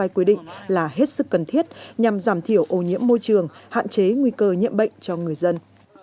quy định là hết sức cần thiết nhằm giảm thiểu ô nhiễm môi trường hạn chế nguy cơ nhiễm bệnh cho người dân